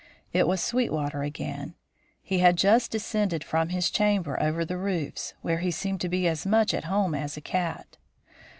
It was Sweetwater again. He had just descended from his clamber over the roofs, where he seemed to be as much at home as a cat.